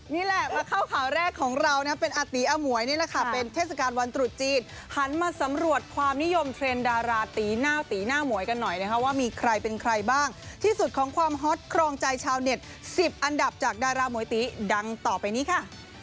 นี่แหละมาเข้าข่าวแรกของเรานะเป็นอาตีอมวยนี่แหละค่ะเป็นเทศกาลวันตรุษจีนหันมาสำรวจความนิยมเทรนด์ดาราตีหน้าตีหน้าหมวยกันหน่อยนะคะว่ามีใครเป็นใครบ้างที่สุดของความฮอตครองใจชาวเน็ต๑๐อันดับจากดารามวยตีดังต่อไปนี้ค่ะ